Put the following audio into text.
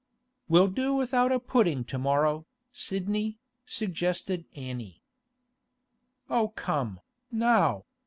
'We'll do without a pudding to morrow, Sidney,' suggested Annie. 'Oh come, now!